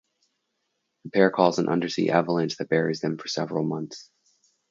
The pair cause an undersea avalanche that buries them for several months.